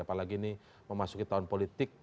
apalagi ini memasuki tahun politik